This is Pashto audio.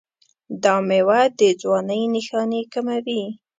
دا میوه د ځوانۍ نښانې کموي.